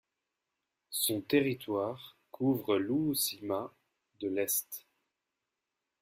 Son territoire couvre l'Uusimaa de l'Est.